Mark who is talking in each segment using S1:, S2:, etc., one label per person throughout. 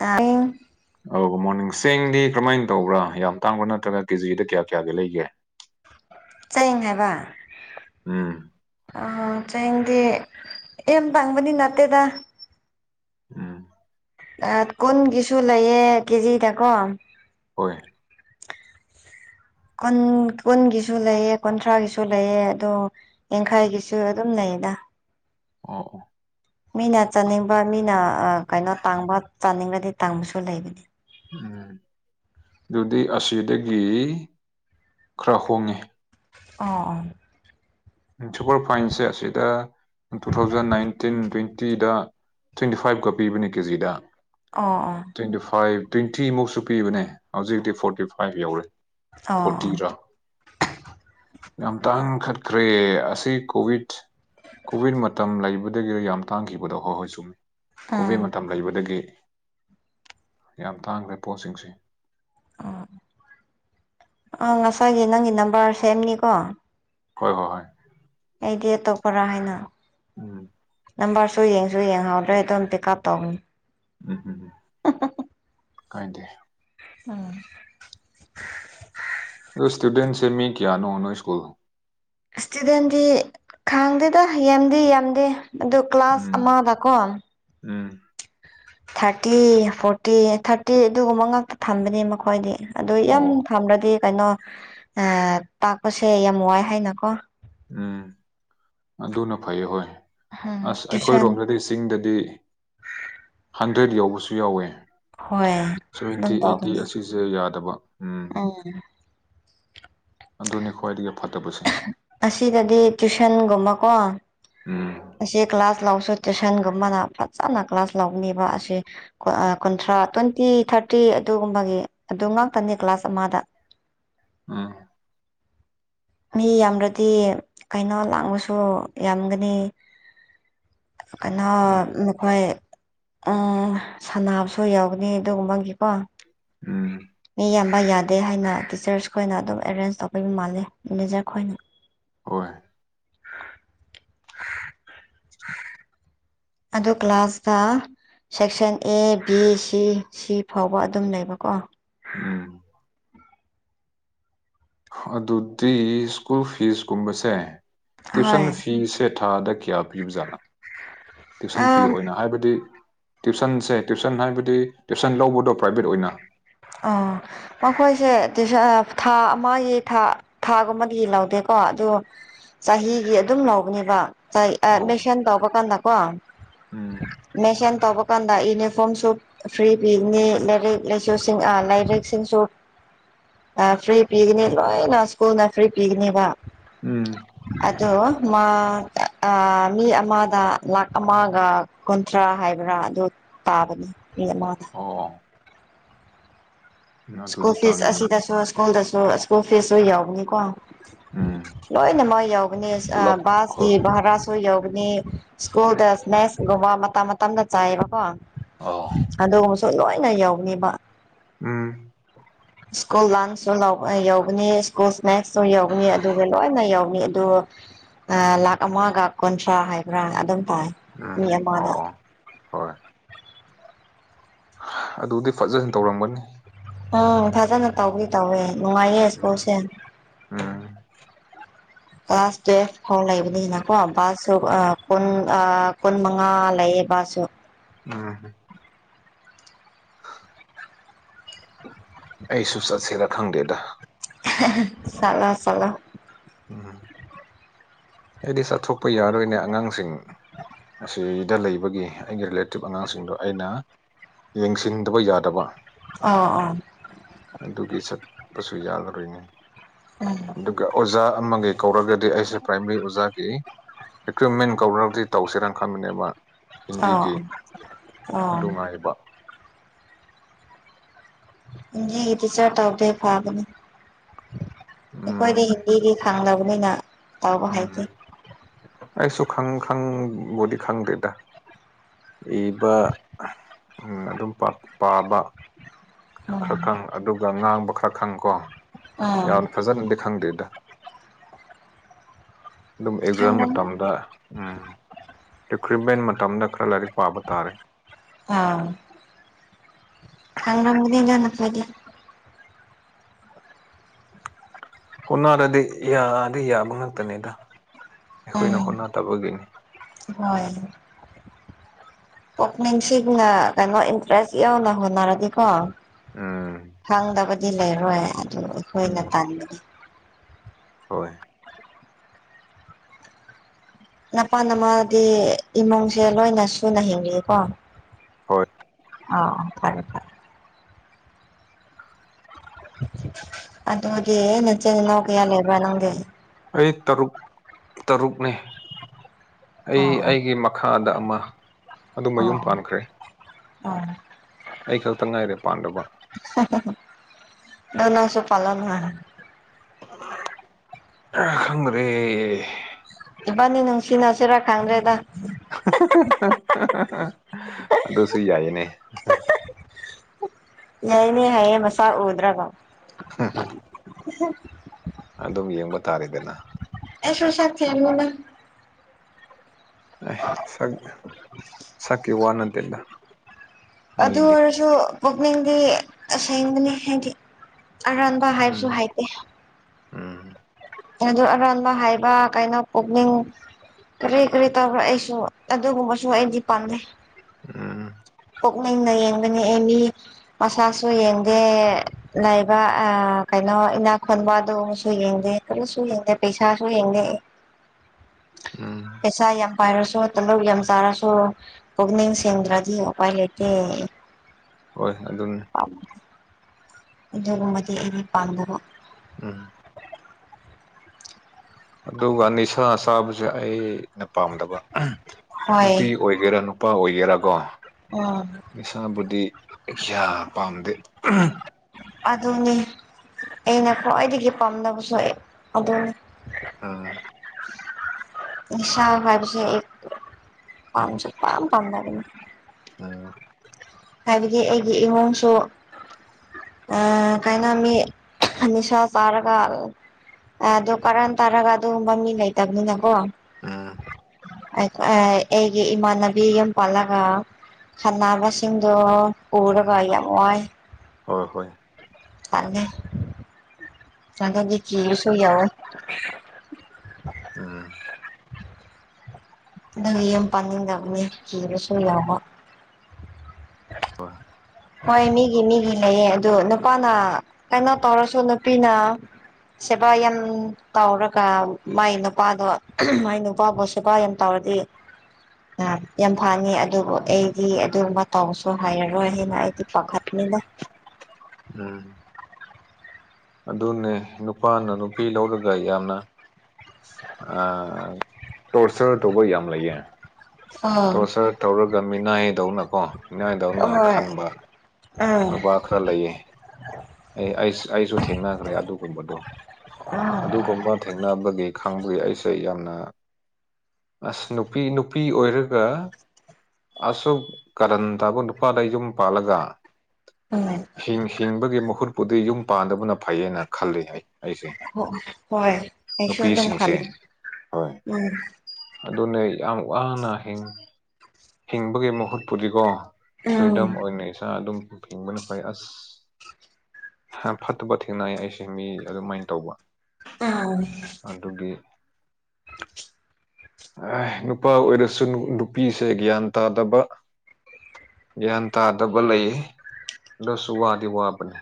S1: ꯑ
S2: ꯑꯣ good morning ꯆꯦꯡꯗꯤ ꯀꯔꯝꯃꯥꯏꯅ ꯇꯧꯕ꯭ꯔꯥ ꯌꯥꯝ ꯇꯥꯡꯕ꯭ꯔꯥ ꯅꯠꯇ꯭ꯔꯒ ꯀꯦꯖꯤꯗ ꯀꯌꯥ ꯀꯌꯥꯒꯤ ꯂꯩꯒꯦ
S1: ꯆꯌꯦꯦꯡ ꯍꯥꯏꯕ
S2: ꯎꯝ
S1: ꯆ ꯑ ꯇꯪꯕꯅꯤ ꯅꯅꯥꯇꯦꯗ
S2: ꯎꯝ
S1: ꯀꯨꯟꯒꯤꯁꯨ ꯂꯩꯌꯦ ꯀꯦꯖꯤꯗꯀꯣ
S2: ꯍꯣꯏ
S1: ꯀꯨꯟ ꯀꯨꯟꯒꯤꯁꯨ ꯂꯩꯑꯦ ꯀꯨꯟꯊ꯭ꯔꯥꯒꯤꯁꯨ ꯂꯩꯑ ꯑꯗꯣ ꯌꯥꯡꯈꯥꯏꯒꯤꯁꯨ ꯑꯗꯨꯝ ꯂꯩꯗ
S2: ꯑꯣ ꯑꯣ
S1: ꯃꯤꯅ
S2: ꯑ-
S1: ꯆꯥꯅꯤꯡꯕ ꯃꯤꯅ ꯀꯩꯅꯣ ꯇꯥꯡꯕ ꯆꯥꯅꯤꯡꯕꯗꯤ ꯇꯥꯡꯕꯁꯨ ꯂꯩꯕꯅꯤ
S2: ꯎꯝ ꯑꯗꯨꯗꯤ ꯑꯁꯤꯗꯒꯤ ꯈꯔ ꯍꯣꯡꯉꯦ
S1: ꯑꯣ
S2: ꯁꯨꯄꯔ ꯐꯥꯏꯟꯁꯦ ꯑꯁꯤꯗ ꯇꯨ ꯊꯥꯎꯖꯟ ꯅꯥꯏꯟꯇꯤꯟ ꯇ꯭ꯋꯦꯟꯇꯤꯗ ꯇ꯭ꯋꯦꯟꯇꯤ ꯐꯥꯏꯚꯀ ꯄꯤꯕꯅꯦ ꯀꯦꯖꯤꯗ
S1: ꯑꯣ
S2: ꯇ꯭ꯋꯦꯟꯇꯤ ꯐꯥꯏꯚ ꯇ꯭ꯋꯦꯟꯇꯤꯃꯨꯛꯁꯨ ꯄꯤꯕꯅꯦ ꯍꯧꯖꯤꯛꯇꯤ ꯐꯣꯔꯇꯤ ꯐꯥꯏꯚ ꯌꯧꯔꯦ
S1: ꯑꯣ ꯑꯣ
S2: ꯐꯣꯔꯇꯤꯔꯥ ꯌꯥꯝ ꯇꯥꯡꯈꯠ ꯈꯔ‌ꯦ ꯑꯁꯤ ꯀꯣꯕꯤꯠ ꯀꯣꯚꯤꯠ ꯃꯇꯝ ꯂꯩꯕꯗꯒꯤ ꯌꯥꯝ ꯇꯥꯡꯈꯤꯕꯗꯣ ꯍꯣꯏ ꯍꯣꯏ ꯆꯨꯝꯃꯤ
S1: ꯑꯣ ꯑꯣ
S2: ꯀꯣꯚꯤꯠ ꯃꯇꯝ ꯂꯩꯕꯗꯒꯤ ꯌꯥꯝ ꯇꯥꯡꯈ꯭ꯔꯦ ꯄꯣꯠꯁꯤꯡꯁꯦ
S1: ꯑꯣ ꯑꯥ ꯉꯁꯥꯏꯒꯤ ꯅꯪꯒꯤ ꯅꯝꯕꯔ ꯁꯦꯝꯅꯤꯀꯣ
S2: ꯍꯣꯏ ꯍꯣꯏ ꯍꯣꯏ
S1: ꯑꯩꯗꯤ ꯑꯇꯣꯞꯄ꯭ꯔꯥ ꯍꯥꯏꯅ
S2: ꯎꯝ
S1: ꯅꯝꯕꯔꯁꯨ ꯌꯦꯡꯁꯨ ꯌꯦꯡꯍꯧꯗ꯭ꯔꯦ ꯑꯗꯨꯝ ꯄꯤꯛ ꯑꯞ ꯇꯧꯕꯅꯤ
S2: ꯎꯝ ꯎꯝ
S1: [unintelligible]
S2: ꯀꯥꯏꯗꯦ
S1: ꯎꯝ
S2: ꯑꯗꯨ ꯏꯁꯇꯨꯗꯦꯟꯁꯦ ꯃꯤ ꯀꯌꯥꯅ‌ꯣ ꯅꯣꯏ ꯁ꯭ꯀꯨꯜ
S1: ꯏꯁꯇꯨꯗꯦꯟꯗꯤ ꯈꯪꯗꯦꯗ ꯌꯥꯝꯗꯤ ꯌꯥꯝꯗꯦ ꯑꯗꯨ ꯀ꯭ꯂꯥꯁ
S2: ꯎꯝ
S1: ꯑꯃꯗꯀꯣ
S2: ꯎꯝ
S1: ꯊꯥꯔꯇꯤ ꯐꯣꯔꯇꯤ ꯊꯥꯔꯇꯤ ꯑꯗꯨꯒꯨꯝꯕ ꯉꯥꯛꯇ ꯊꯝꯕꯅꯦ ꯃꯈꯣꯏꯗꯤ ꯑꯗꯨ ꯌꯥꯝ
S2: ꯑꯣ
S1: ꯊꯝꯔꯗꯤ ꯀꯩꯅꯣ ꯇꯥꯛꯄꯁꯦ ꯌꯥꯝ ꯋꯥꯏ ꯍꯥꯏꯅꯀꯣ
S2: ꯎꯝ ꯑꯗꯨꯅ ꯐꯩ ꯍꯣꯏ
S1: ꯎꯝ
S2: ꯑꯁ
S1: ꯇ꯭ꯋꯨꯁꯟ
S2: ꯑꯩꯈꯣꯏꯔꯣꯝꯗꯗꯤ ꯆꯤꯡꯗ ꯗꯤ ꯍꯟꯗ꯭ꯔꯦꯗ ꯌꯧꯕꯁꯨ ꯌꯥꯎꯋꯦ
S1: ꯍꯣꯏ
S2: ꯁꯚꯦꯟꯇꯤ ꯑꯩꯠꯇꯤ ꯑꯁꯤꯁꯦ ꯌꯥꯗꯕ ꯎꯝ
S1: ꯑꯥ
S2: ꯑꯗꯨꯅꯤ ꯈ꯭ꯋꯥꯏꯗꯒꯤ ꯐꯠꯇꯕꯁꯦ
S1: ꯑꯁꯤꯗꯗꯤ ꯇꯨꯏꯁꯟꯒꯨꯝꯕꯀꯣ
S2: ꯎꯝ
S1: ꯑꯁꯤ ꯀ꯭ꯂꯥꯁ ꯂꯧꯁꯨ ꯇꯨꯏꯁꯟꯒꯨꯝꯕꯅ ꯐꯖꯅ ꯀ꯭ꯂꯥꯁ ꯂꯧꯅꯤꯕ ꯑꯁꯤ ꯀꯨꯟꯊ꯭ꯔꯥ ꯇ꯭ꯋꯦꯟꯇꯤ ꯊꯥꯔꯇꯤ ꯑꯗꯨꯒꯨꯝꯕꯒꯤ ꯑꯗꯨ ꯉꯥꯛꯇꯅꯤ ꯀ꯭ꯂꯥꯁ ꯑꯃꯗ
S2: ꯎꯝ
S1: ꯃꯤ ꯌꯥꯝꯔꯗꯤ ꯀꯩꯅꯣ ꯂꯥꯡꯕꯁꯨ ꯌꯥꯝꯒꯅꯤ
S2: [inaudible]
S1: ꯀꯩꯅꯣ
S2: ꯎꯝ
S1: ꯅꯈꯣꯏ ꯎꯝ ꯁꯅꯕꯁꯨ ꯌꯥꯎꯒꯅꯤ ꯑꯗꯨꯒꯨꯝꯕꯒꯤꯀꯣ
S2: ꯎꯝ
S1: ꯃꯤ ꯌꯥꯝ ꯌꯥꯗꯦ ꯍꯥꯏꯅ ꯇꯤꯆꯔꯁ ꯈꯣꯏꯅ ꯑꯗꯨꯝ ꯑꯦꯔꯦꯟꯖ ꯇꯧꯕꯤꯕ ꯃꯥꯜꯂꯦ ꯃꯦꯅꯦꯖꯔ ꯈꯣꯏꯅ
S2: ꯍꯣꯏ
S1: ꯑꯗꯣ ꯀ꯭ꯂꯥꯁꯗ ꯁꯦꯛꯁꯟ ꯑꯦ ꯕꯤ ꯁꯤ ꯁꯤ ꯐꯥꯎꯕ ꯑꯗꯨꯝ ꯂꯩꯕꯀꯣ
S2: ꯎꯝ ꯑꯗꯨꯗꯤ ꯁ꯭ꯀꯨꯜ ꯐꯤꯁꯀꯨꯝꯕꯁꯦ ꯇꯨꯏꯁꯟ
S1: ꯍꯣꯏ
S2: ꯐꯤꯁꯦ ꯊꯥꯗ ꯀꯌꯥ ꯄꯤꯕ ꯖꯥꯠꯅ ꯇꯨꯏꯁꯟ ꯐꯤ
S1: ꯑꯝ
S2: ꯑꯣꯏꯅ ꯍꯥꯏꯕꯗꯤ ꯇꯨꯏꯁꯟꯁꯦ ꯇꯨꯏꯁꯟ ꯍꯥꯏꯕꯗꯤ ꯇꯨꯏꯁꯟ ꯂꯧꯕꯗꯣ ꯄ꯭ꯔꯥꯏꯚꯦꯠ ꯑꯣꯏꯅ
S1: ꯑꯣ ꯃꯈꯣꯏꯁꯦ ꯇꯨꯏꯁꯟ ꯊꯥ ꯑꯃꯒꯤ ꯊꯥ ꯊꯥꯒꯨꯝꯕꯗꯤ ꯂꯧꯗꯦꯀꯣ ꯀ‌ꯣ ꯑꯗꯨ ꯆꯍꯤꯒꯤ ꯑꯗꯨꯝ ꯂꯧꯕꯅꯦꯕ
S2: ꯑꯧ
S1: ꯃꯦꯁꯟ ꯇꯧꯕꯀꯥꯟꯗꯀꯣ
S2: ꯎꯝ
S1: ꯃꯦꯁꯟ ꯇꯧꯕ ꯗꯨꯀꯥꯟꯗ ꯌꯨꯅꯤꯐꯣꯔꯝꯁꯨ ꯐ꯭ꯔꯤ ꯄꯤꯕꯅꯤ ꯂꯥꯏꯔꯤꯛ ꯂꯥꯏꯁꯨ [unintelligible] ꯑꯥ ꯂꯥꯏꯔꯤꯛꯁꯤꯡꯁꯨ ꯐ꯭ꯔꯤ ꯄꯤꯒꯅꯤ ꯂꯣꯏꯅ ꯁ꯭ꯀꯨꯜꯅ ꯐ꯭ꯔꯤ ꯄꯤꯒꯅꯤꯕ
S2: ꯎꯝ
S1: ꯑꯗꯣ ꯃꯥ ꯃꯤ ꯑꯃꯗ ꯂꯥꯛ ꯑꯃꯒ ꯀꯨꯟꯊ꯭ꯔꯥ ꯍꯥꯏꯕ꯭ꯔꯥ ꯇꯥꯕꯅꯤ ꯃ ꯃꯥꯗ
S2: ꯑꯣ
S1: ꯁ꯭ꯀꯨꯜ
S2: ꯑꯗꯨꯗꯤ
S1: ꯐꯤꯁ
S2: ꯇꯥꯡꯉꯤꯅꯦ
S1: ꯑꯁꯤꯗꯁꯨ ꯁ꯭ꯀꯨꯜꯗꯁꯨ ꯁ꯭ꯀꯨꯜ ꯐꯤꯁꯁꯨ ꯌꯥꯎꯕꯅꯤꯀꯣ
S2: ꯎꯝ
S1: ꯂꯣꯏꯅꯃꯛ ꯌꯧꯒꯅꯤ
S2: ꯄꯨꯂꯞ ꯍꯣꯏ
S1: ꯕꯥꯁꯀꯤ
S2: ꯍꯣꯏ
S1: ꯚꯔꯥꯁꯨ ꯌ ꯁꯀꯨꯜꯁꯀꯨꯝꯕ ꯃꯇꯝ ꯃꯇꯝꯗ ꯆꯥꯏꯑꯕꯀꯣ
S2: ꯑꯣ
S1: ꯑꯗꯨ ꯁꯨ ꯂꯣꯏꯅ ꯌꯎꯅꯤꯕ
S2: ꯎꯝ
S1: ꯁ꯭ꯀꯨꯜ ꯂꯟꯁꯁꯨ ꯌꯧꯒꯅꯤ ꯁ꯭ꯀꯨꯜ ꯏꯁꯅꯦꯛꯁꯁꯨ ꯌꯧꯒꯅꯤ ꯑꯗꯨꯒ ꯂꯣꯏꯅ ꯌꯧꯅꯤ ꯑꯗꯨ ꯂꯥꯈ ꯑꯃꯒ ꯀꯨꯟꯊ꯭ꯔꯥ ꯍꯥꯏꯕ꯭ꯔꯥ ꯑꯗꯨꯝ ꯇꯥꯏ ꯃꯤ
S2: ꯎꯝ ꯑꯣ
S1: ꯑꯃꯗ
S2: ꯑꯣ ꯍꯣꯏ ꯑꯗꯨꯗꯤ ꯐꯖꯟ ꯇꯧꯔꯝꯒꯅꯤ
S1: ꯎꯝ ꯐꯖꯅ ꯇꯧꯋ ꯇꯧꯋꯦ ꯅꯨꯡꯉꯥꯏꯌꯦ
S2: ꯎꯝ
S1: ꯁ꯭ꯀꯨꯜꯁꯦ
S2: ꯎꯝ
S1: ꯀ꯭ꯂꯥꯁ ꯇꯨꯋꯦꯜꯐ ꯐꯥꯎ ꯂꯩꯕꯅꯤꯅ ꯀꯣ ꯁꯨ ꯀꯨꯟ ꯀꯨꯟ ꯃꯉꯥ ꯂꯩ ꯑꯦꯕꯥꯁꯨꯣ
S2: ꯎꯝ ꯑꯩꯁꯨ ꯆꯠꯁꯦꯔ ꯈꯪꯗꯦꯗ
S1: ꯆꯂꯣ ꯆꯂꯣ
S2: ꯎꯝ ꯑꯩꯗꯤ ꯆꯠꯊꯣꯛꯄ ꯌꯥꯔꯣꯏꯅꯦ ꯑꯉꯥꯡꯁꯤꯡ ꯁꯤꯗ ꯂꯩꯕꯒꯤ ꯑꯩꯒꯤ ꯔꯤꯂꯦꯇꯤꯞ ꯑꯉꯥꯡꯁꯤꯡꯗꯣ ꯑꯩꯅ ꯌꯦꯡꯁꯤꯟꯗꯕ ꯌꯥꯗꯕ
S1: ꯑ ꯑꯥ
S2: ꯑꯗꯨꯒꯤ ꯆꯠꯄꯁꯨ ꯌꯥꯂꯣꯏꯅꯤ
S1: ꯎꯝ
S2: ꯑꯗꯨꯒ ꯑꯣꯖꯥ ꯑꯃꯒꯤ ꯀꯧꯔꯒꯗꯤ ꯑꯩꯁꯦ ꯄ꯭ꯔꯥꯏꯃꯔꯤ ꯑꯣꯖꯥꯒꯤ ꯏꯀ꯭ꯋꯤꯞꯃꯦꯟ ꯀꯧꯒꯗꯤ ꯇꯧꯁꯤꯦꯔꯅ ꯈꯟꯕꯅꯦꯕ
S1: ꯑꯣ
S2: ꯍꯤꯟꯗꯤꯒꯤ
S1: ꯑꯣ
S2: ꯑꯗꯨꯉꯥꯏꯕ
S1: ꯍꯤꯟꯗꯤꯒꯤ ꯇꯤꯆꯔ ꯇꯧꯗꯦ ꯐꯕꯅꯤ
S2: ꯎꯝ
S1: ꯑꯩꯈꯣꯏꯗꯤ ꯍꯤꯟꯗꯤꯗꯤ ꯈꯪꯗꯕꯅꯤ ꯅ
S2: ꯎꯝ ꯑꯩꯁꯨ ꯈꯪ ꯈꯪꯕꯗꯤ ꯈꯪꯗꯦꯗ ꯏꯕ ꯎ ꯑꯗꯨꯝ ꯄꯥꯕ ꯈꯔ
S1: ꯎꯝ
S2: ꯈꯪ ꯑꯗꯨꯒ ꯉꯥꯡꯕ ꯈꯔ ꯈꯪ ꯀꯣ
S1: ꯎꯝ
S2: ꯌꯥꯝꯅ ꯐꯖꯅꯗꯤ ꯈꯪꯗꯦꯗ ꯑꯗꯨꯝ ꯑꯦꯛꯖꯥꯝ
S1: ꯈꯪꯒꯅꯤ
S2: ꯃꯇꯝꯗ ꯎꯝ ꯔꯤꯀ꯭ꯔꯨꯏꯠꯃꯦꯟ ꯃꯇꯝꯗ ꯈꯔ ꯂꯥꯏꯔꯤꯛ ꯄꯥꯕ ꯇꯥꯔꯦ
S1: ꯀꯪꯗꯤꯅꯄꯗꯤ
S2: ꯍꯣꯠꯅꯔꯗꯤ ꯌꯥꯗꯤ ꯌꯥꯕ ꯉꯥꯛꯛꯇꯅꯦꯗ
S1: ꯎꯝ
S2: ꯑꯦꯈꯣꯏꯅꯈꯨꯅꯥ ꯇꯥꯕꯒꯅꯤ
S1: ꯍꯣꯏ ꯄꯨꯛꯅꯤꯡꯁꯤꯡꯅ ꯀꯩꯅꯣ ꯏꯟꯇꯔꯦꯁ ꯌꯥꯎꯅ ꯍꯣꯠꯅꯔꯗꯤꯀꯣ
S2: ꯎꯝ
S1: ꯈꯪꯗꯕꯗꯤ ꯂꯩꯔꯣꯏ ꯑꯗꯨ ꯑꯩꯈꯣꯏꯅ
S2: ꯎꯝ
S1: ꯇꯟꯃꯤꯅꯤ
S2: ꯍꯣꯏ
S1: ꯅꯄꯥꯥꯟ ꯅꯃꯥꯗꯤ ꯏꯃꯨꯡꯁꯦ ꯂꯣꯏꯅ ꯁꯨꯅ ꯍꯤꯡꯂꯤꯀꯣ
S2: ꯍꯣꯏ
S1: ꯑ ꯐꯔꯦ ꯐꯔꯦ ꯑꯗꯨꯗꯤ ꯅꯆꯦꯅ ꯀꯌꯥ ꯂꯩꯦꯕ ꯅꯪꯗꯤ
S2: ꯑꯩ ꯇꯔꯨꯛ ꯇꯔꯨꯛꯅꯤ ꯑꯩ
S1: ꯑꯣ
S2: ꯑꯩꯒꯤ ꯃꯈꯥꯗ ꯑꯃ ꯑꯗꯨ
S1: ꯑꯣ
S2: ꯃꯌꯨꯝ ꯄꯥꯟꯈ꯭ꯔꯦ
S1: ꯑꯣ
S2: ꯑꯩ ꯈꯛꯇ ꯉꯥꯏꯔꯦ ꯄꯥꯟꯗꯕ
S1: ꯗꯙꯅꯥꯁꯨ ꯄꯂꯅ ꯍꯥꯏ
S2: ꯈꯪꯔꯦ
S1: ꯅꯤ ꯅꯪ ꯁꯤꯅꯥ ꯍꯥꯁꯤꯔꯛ ꯈꯪꯗ꯭ꯔꯦꯗ
S2: ꯑꯗꯨꯗꯣꯁꯨ ꯌꯥꯏꯅꯦ
S1: ꯅꯅꯦ ꯍꯥꯏꯌꯦ ꯃꯁꯥ ꯎꯗ꯭ꯔꯥꯒ
S2: ꯑꯗꯨꯝ ꯌꯦꯡꯕ ꯇꯥꯔꯦꯗꯅ
S1: ꯑꯦꯁꯣꯏ ꯁꯥ ꯊ ꯃꯅ
S2: ꯑ ꯁ ꯁꯀꯤ ꯍꯅꯗꯂ
S1: ꯑꯗꯨ ꯑꯣꯏꯔꯁꯨ ꯄꯨꯛꯅꯤꯡꯗꯤ ꯑꯁꯦꯡꯕꯅꯤ ꯍꯥꯏꯗꯤ ꯑꯔꯥꯟꯕ ꯍꯥꯏꯕꯁꯨ
S2: ꯎꯝ
S1: ꯍꯥꯏꯇꯦ
S2: ꯎꯝ
S1: ꯑꯗꯨ ꯑꯔꯥꯟꯕ ꯍꯥꯏꯕ ꯀꯥꯏꯅ ꯑꯣꯐ ꯄꯨꯛꯅꯤꯡ ꯀꯔꯤ ꯀꯔꯤ ꯇꯧꯕ꯭ꯔ ꯑꯩꯁꯨ ꯑꯗꯨꯒꯨꯝꯕꯁꯨ ꯑꯩꯗꯤ ꯄꯥꯝꯅꯩ
S2: ꯎꯝ
S1: ꯄꯨꯛꯅꯤꯡꯅ ꯌꯦꯡꯕꯅꯤ ꯑꯦ ꯃꯤ ꯃꯁꯥꯁꯨ ꯌꯦꯡꯗꯦ ꯂꯩꯕ ꯩꯅ ꯏꯅꯥ ꯈꯣꯟꯕꯗꯁꯨ ꯌꯦꯡꯗꯦ ꯀꯣꯁꯨ ꯌꯦꯡꯗꯦ ꯄꯩꯁꯥꯁꯨ ꯌꯦꯡꯗꯦ
S2: ꯎꯝ
S1: ꯑꯦꯁ ꯌꯥꯝ ꯄꯥꯏꯔꯁꯨ ꯇꯂꯧ ꯌꯥꯝ ꯆꯥꯔꯁꯨ ꯀꯛꯅꯤꯡ ꯁꯦꯡꯗ꯭ꯔꯗꯤ ꯎꯄꯥꯏ ꯂꯩꯇꯦ
S2: ꯍꯣꯏ ꯑꯗꯨꯅꯤ
S1: ꯑꯗꯨꯒꯨꯝꯕꯗꯤ ꯑꯩꯩꯅ ꯄꯥꯝꯗꯕ
S2: ꯎꯝ ꯑꯗꯨꯒ ꯅꯤꯁꯥ ꯆꯥꯕꯁꯦ ꯑꯩꯅ ꯄꯥꯝꯗꯕ
S1: ꯍꯣꯏ
S2: ꯅꯨꯄꯤ ꯑꯣꯏꯒꯦꯔꯥ ꯅꯨꯄꯥ ꯑꯣꯏꯒꯦꯔꯥꯀꯣ
S1: ꯎꯝ
S2: ꯅꯤꯁꯥꯕꯨꯗꯤ ꯑꯌꯥ ꯄꯥꯝꯗꯦ
S1: ꯑꯗꯨꯅꯤ ꯑꯩꯅ ꯈ꯭ꯋꯥꯏꯗꯒꯤ ꯄꯥꯝꯅꯕꯁꯨ ꯑꯩ ꯑꯗꯨꯅꯤ
S2: ꯍ
S1: ꯁꯥ ꯐꯕꯤꯁꯦ ꯄꯨꯄꯥ ꯄ
S2: ꯎꯝ
S1: ꯍꯥꯏꯕꯗꯤ ꯑꯩꯒꯤ ꯏꯍꯣꯡꯁꯨ ꯑ ꯀꯥꯏꯅꯃꯤ ꯃꯤꯁ ꯆꯔꯒ ꯑꯗꯨ ꯀꯔꯟ ꯇꯥꯔꯒ ꯑꯗꯨꯒꯨꯝꯕ ꯃꯤ ꯂꯩꯇꯕꯅꯤꯅꯀꯣ
S2: ꯎꯝ
S1: ꯑꯩꯒꯤ ꯏꯃꯥꯟꯅꯕꯤ ꯑꯃ ꯄꯜꯂꯒ ꯈꯥꯟꯅꯕꯁꯤꯡꯗꯣ ꯀꯔ
S2: ꯎꯝ
S1: ꯄꯃꯣꯥꯏ
S2: ꯍꯣꯏ ꯍꯣꯏ
S1: ꯀꯂꯦ ꯆꯂꯗꯤ ꯆꯤꯔ ꯁꯣꯏ ꯌꯥꯋ
S2: ꯑꯝ
S1: ꯑꯗꯨꯗꯒꯤ ꯌꯥꯝ ꯄꯥꯅꯤꯡꯗꯕꯅꯤ ꯀꯤꯕꯁꯨ ꯌꯥꯎꯕ
S2: ꯋꯥ
S1: ꯍꯣꯏ ꯃꯤꯒꯤ ꯃꯤꯒꯤ ꯂꯩꯌꯦ ꯑꯗꯨ ꯅꯨꯄꯥꯅ ꯀꯩꯅꯣ ꯇꯧꯔꯁꯨ ꯅꯨꯄꯤꯅ ꯁꯦꯕꯥ ꯌꯥꯝ ꯇꯧꯔꯒ ꯃꯥꯏ ꯅꯨꯄꯥꯗꯣ ꯃꯥꯏ ꯅꯨꯄꯥꯕꯨ ꯁꯦꯕꯥ ꯌꯥꯝ ꯇꯧꯔ ꯑꯗ ꯑ ꯌꯥꯝ ꯐꯉ ꯑꯗꯨꯕꯨ ꯑꯩꯗꯤ ꯑꯗꯨꯝꯕ ꯇꯧꯁꯨ ꯍꯥꯏꯔꯔꯣꯏ ꯍꯥꯏꯦꯅ ꯑꯩꯗꯤ ꯄꯥꯈꯠ
S2: ꯎꯝ ꯑꯗꯨꯅꯦ ꯅꯨꯄꯥꯅ ꯅꯨꯄꯤ ꯂꯧꯔꯒ ꯌꯥꯝꯅ ꯇꯣꯔꯆꯔ ꯇꯧꯕ ꯌꯥꯝ ꯂꯩꯌꯦ
S1: ꯑꯥ
S2: ꯇꯣꯁꯔ ꯇꯧꯔꯒ ꯃꯤꯅꯥꯏꯌꯦ ꯗꯧꯅꯀꯣ ꯅꯏꯗꯧꯅ
S1: ꯍꯣꯏ
S2: ꯈꯟꯕ
S1: ꯎꯝ
S2: ꯅꯨꯄꯥ ꯈꯔ ꯂꯩꯌꯦ ꯑꯩ ꯑꯩ ꯑꯩꯁꯨ ꯊꯦꯡꯅꯈ꯭ꯔꯦ ꯑꯗꯨꯒꯨꯝꯕꯗꯣ ꯑꯗꯨꯒꯨꯝꯕ ꯊꯦꯡꯅꯕꯒꯤ ꯈꯪꯕꯨ ꯑꯩꯁꯦ ꯌꯥꯝꯅ ꯑꯁ ꯅꯨꯄꯤ ꯅꯨꯄꯤ ꯑꯣꯏꯔꯒ ꯑꯁꯨꯛ ꯀꯔꯟ ꯇꯥꯕꯨ ꯅꯨꯄꯥꯗ ꯌꯨꯝ ꯄꯥꯜꯂꯒ
S1: ꯎꯝ
S2: ꯍꯤꯡ ꯍꯤꯡꯕꯒꯤ ꯃꯍꯨꯠꯄꯨꯗꯤ ꯌꯨꯝ ꯄꯥꯟꯗꯕꯅ ꯐꯩꯌꯦꯅ ꯈꯜꯂꯤ ꯑꯩꯁꯦ
S1: ꯍꯣꯏ ꯑꯩꯁꯨ ꯑꯗꯨꯝ ꯈ
S2: ꯅꯨꯄꯤꯁꯤꯡꯁꯦ ꯍꯣꯏ
S1: ꯎꯝ
S2: ꯑꯗꯨꯅꯦ ꯌꯥꯝ ꯋꯥꯅ ꯍꯤꯡꯕꯒꯤ ꯃꯍꯨꯠ ꯄꯨꯔꯤꯀꯣ
S1: ꯎꯝ
S2: ꯐ꯭ꯔꯤꯗꯝ ꯑꯣꯏꯅ ꯏꯁꯥ ꯑꯗꯨꯝ ꯍꯤꯡꯕꯅ ꯐꯩ ꯑꯁ ꯐꯠꯇꯕ ꯊꯦꯡꯅꯩ ꯑꯩꯁꯦ ꯃꯤ ꯑꯗꯨꯃꯥꯏꯅ ꯇꯧꯕ ꯑꯗꯨꯒꯤ
S1: ꯑ
S2: ꯅꯨꯄꯥ ꯑꯣꯏꯔꯁꯨ ꯅꯨꯄꯤꯁꯦ ꯒ꯭ꯌꯥꯟ ꯇꯥꯗꯕ ꯒ꯭ꯌꯥꯟ ꯇꯥꯗꯕ ꯂꯩꯌꯦ ꯂꯁꯨ ꯋꯥꯗꯤ ꯋꯥꯕꯅꯤ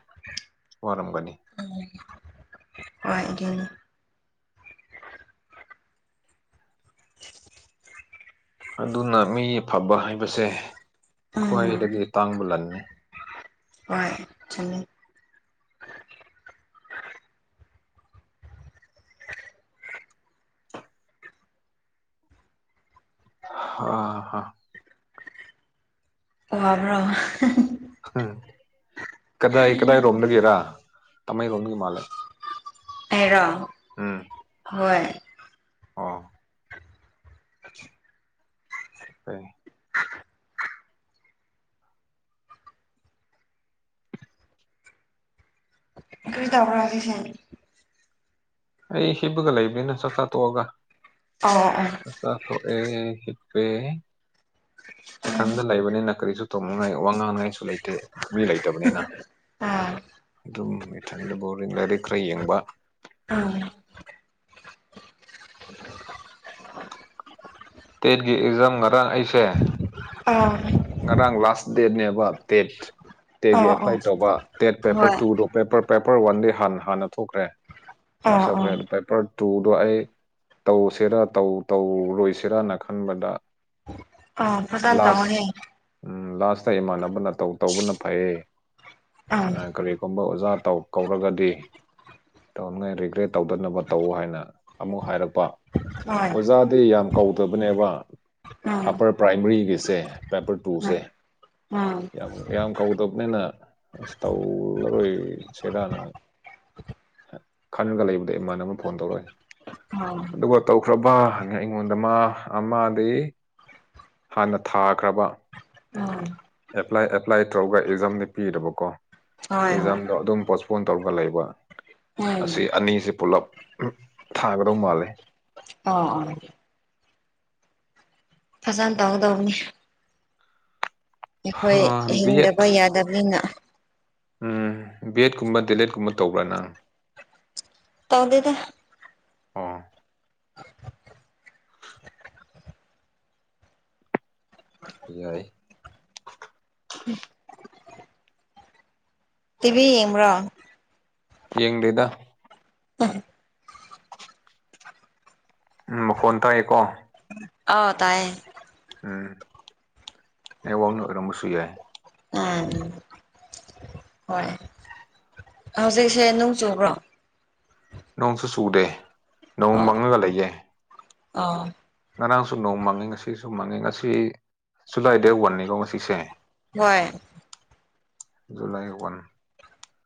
S2: ꯄꯔꯝꯝꯕꯅꯤ
S1: ꯍꯒ
S2: ꯑꯗꯨꯅ ꯃꯤ ꯑꯐꯕ ꯍꯥꯏꯕꯁꯦ
S1: ꯎꯝ
S2: ꯈ꯭ꯋꯥꯏꯗꯒꯤ ꯇꯥꯡꯕ ꯂꯟꯅꯤ
S1: ꯍꯚ ꯆ
S2: ꯑ ꯍ
S1: ꯑꯣꯕ꯭ꯔꯣ
S2: ꯀꯗꯥ ꯀꯗꯥ ꯔꯣꯗꯒꯦ ꯔ ꯇꯃ ꯔꯣꯒ ꯃꯥꯂꯦ
S1: ꯍꯔꯣ ꯍꯣꯏ
S2: ꯑꯥ ꯍ
S1: ꯀ꯭ꯔꯤ ꯇꯕꯔꯖꯤꯁ
S2: ꯑꯩ ꯍꯤꯄꯒ ꯂꯩꯕꯅꯤꯅ ꯆꯥꯛꯆꯥꯥꯊꯣꯛꯑꯒ
S1: ꯑꯣ ꯑꯣ
S2: ꯆꯥꯛꯆꯥꯥ ꯊꯣꯛꯣꯛꯑꯦ ꯏꯊꯟꯇ ꯂꯩꯕꯅꯤꯅ ꯀꯔꯤꯁꯨ ꯇꯧꯅꯉꯥꯏ ꯋꯥ ꯉꯥꯡꯅꯉꯥꯏꯁꯨ ꯂꯩꯇꯦ ꯃꯤ ꯂꯩꯇꯕꯅꯤꯅ
S1: ꯑꯥ
S2: ꯑꯗꯨꯝ ꯏꯊꯟꯗ ꯕꯣꯔꯤꯡ ꯂꯥꯏꯔꯤꯛ ꯈꯔ ꯌꯦꯡꯕ
S1: ꯑꯥ
S2: ꯑ ꯇꯦꯠꯒꯤ ꯑꯦꯛꯖꯥꯝ ꯉꯔꯥꯡ ꯑꯩꯁꯦ
S1: ꯑꯥ
S2: ꯉꯔꯥꯡ ꯂꯥꯁ ꯗꯦꯠꯅꯦꯕ ꯗꯦꯠ ꯇꯦꯒꯤ
S1: ꯑꯣ ꯑꯣ
S2: ꯑꯦꯄ꯭ꯂꯥꯏ ꯇꯧꯕ ꯇꯦꯠ ꯄꯦꯄꯔ
S1: ꯍꯣꯏ
S2: ꯇꯨꯗꯨ ꯄꯦꯄꯔ ꯄꯦꯄꯔ ꯋꯥꯟꯗꯤ ꯍꯥꯟꯅ ꯍꯥꯟꯅ ꯊꯣꯛꯈ꯭ꯔꯦ
S1: ꯑꯥ ꯑꯥ
S2: ꯄꯁꯈꯅ ꯄꯦꯄꯔ ꯇꯨꯗꯣ ꯑꯩ ꯇꯧꯁꯤꯔ ꯇꯧ ꯇꯧꯔꯣꯏꯁꯤꯔꯅ ꯈꯟꯕꯗ
S1: ꯑꯥꯎ ꯐꯊ ꯇ
S2: ꯂꯥꯁ
S1: ꯍꯅꯦ
S2: ꯎꯝ ꯂꯥꯁꯇ ꯏꯃꯥꯟꯅꯕꯅ ꯇꯧꯕꯅ ꯐꯩꯌꯦ
S1: ꯑꯥ
S2: ꯀꯔꯤꯒꯨꯝꯕ ꯑꯣꯖꯥ ꯇꯧ ꯀꯧꯔꯒꯗꯤ ꯇꯧꯅꯤꯡꯉꯥꯏ ꯔꯤꯒ꯭ꯔꯦꯠ ꯇꯧꯗꯅꯕ ꯇꯧ ꯍꯥꯏꯅ ꯑꯃꯨꯛ ꯍꯥꯏꯔꯛꯄ
S1: ꯍꯣꯏ
S2: ꯑꯣꯖꯥꯗꯤ ꯌꯥꯝ ꯀꯧꯗꯕꯅꯦꯕ
S1: ꯎꯝ
S2: ꯑꯞꯄꯔ ꯄ꯭ꯔꯥꯏꯃꯔꯤꯒꯤꯁꯦ ꯄꯦꯄꯔ ꯇꯨꯁꯦ
S1: ꯎꯝ
S2: ꯌꯥꯝ ꯌꯥꯝ ꯀꯧꯗꯕꯅꯤꯅ ꯑꯁ ꯇꯧꯔꯔꯣꯏ ꯁꯦꯔꯥꯅ ꯈꯥꯟꯅꯔꯒ ꯂꯩꯕꯗꯩ ꯏꯃꯥꯟꯅꯕ ꯑꯃ ꯐꯣꯟ ꯇꯧꯔꯛꯑꯦ
S1: ꯎꯝ ꯑꯣ
S2: ꯑꯗꯨꯒ ꯇꯧꯈ꯭ꯔꯕ ꯑꯩꯉꯣꯟꯗ ꯃꯥ ꯑꯃꯗꯤ ꯍꯥꯟꯅ ꯊꯥ ꯈ꯭ꯔꯕ
S1: ꯎꯝ
S2: ꯑꯦꯄ꯭ꯂꯥꯏ ꯑꯦꯄ꯭ꯂꯥꯏ ꯇꯧꯒ ꯑꯦꯛꯖꯥꯝꯗꯤ ꯄꯤꯔꯕꯀꯣ
S1: ꯍꯣꯏ
S2: ꯑꯦꯛꯖꯥꯝꯗꯣ ꯑꯗꯨꯝ ꯄꯣꯁꯄꯣꯟ ꯇꯧꯔꯒ ꯂꯩꯕ
S1: ꯍꯣꯏ
S2: ꯉ
S1: ꯎꯝ
S2: ꯑꯅꯤꯁꯤ ꯄꯨꯂꯞ ꯊꯥꯒꯗꯧ ꯃꯥꯜꯂꯦ
S1: ꯦ ꯐꯖꯅ ꯇꯧꯗꯧꯅꯤ ꯑꯩꯈꯣꯏ
S2: ꯕꯤ ꯑꯦꯠ
S1: ꯍꯤꯡꯗꯕ ꯌꯥꯗꯕꯅꯤꯅ
S2: ꯎꯝ ꯕꯦꯠꯀꯨꯝꯕ ꯗꯦꯂꯦꯠꯀꯨꯝꯕ ꯇꯧꯕ꯭ꯔꯥ ꯅꯪ
S1: ꯇꯧꯗꯗ
S2: ꯑꯥ ꯑꯦꯏ
S1: ꯇꯤꯚꯤ ꯏ꯭ꯔꯣ
S2: ꯌꯦꯡ ꯂꯩꯗ ꯎꯝ ꯃꯈꯣꯟ ꯇꯥꯛꯑꯦꯀꯣ
S1: ꯑ ꯇꯥꯏꯌꯦ
S2: ꯎꯝ ꯅ ꯋꯥꯡꯅ ꯑꯣꯏꯔꯝꯕꯁꯨ ꯌꯥꯏ
S1: ꯎꯝ ꯍꯣꯏ ꯍꯧꯖꯤꯛꯁꯦ ꯅꯣꯡ ꯆꯨꯕ꯭ꯔꯣ
S2: ꯅꯣꯡꯁꯨ ꯆꯨꯗꯦ ꯅꯣꯡ
S1: ꯑꯣ
S2: ꯃꯪꯉꯒ ꯂꯩꯌꯦꯦ
S1: ꯑꯣ
S2: ꯉꯔꯥꯡꯁꯨ ꯅꯣꯡ ꯃꯥꯡꯉꯤ ꯉꯁꯤꯁꯨ ꯃꯥꯡꯉꯤ ꯉꯁꯤ ꯖꯨꯂꯥꯏ ꯗꯦ ꯋꯥꯟꯅꯤꯀꯣ ꯉꯁꯤꯁꯦ
S1: ꯍꯣꯏ
S2: ꯖꯨꯂꯥꯏ ꯋꯥꯟ